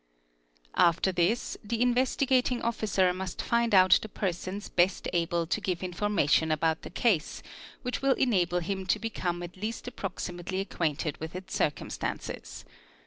After this the Investigating Officer must find out the persons best . able to give information about the case, which will enable him to become at least approximately acquainted with its circumstances.